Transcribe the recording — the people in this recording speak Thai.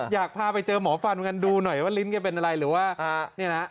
อยากพาไปเจอหมอฟันกันดูหน่อยว่าลิ้นแกเป็นอะไรหรือว่าเนี่ยนะ